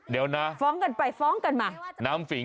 เดี๋ยวนะฟ้องกันไปฟ้องกันมา